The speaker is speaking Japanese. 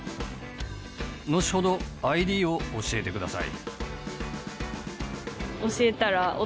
後ほどＩＤを教えてください。